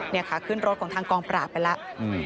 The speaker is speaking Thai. นี่ค่ะขึ้นรถของทางกองปราบไปแล้ว